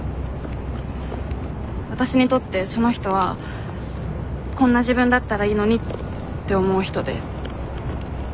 わたしにとってその人は「こんな自分だったらいいのに」って思う人でそれで。